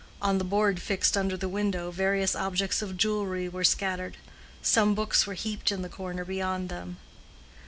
On the board fixed under the window, various objects of jewelry were scattered: some books were heaped in the corner beyond them.